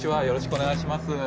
よろしくお願いします。